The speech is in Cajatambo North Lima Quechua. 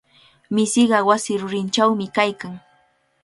Mishiqa wasi rurinchawmi kaykan.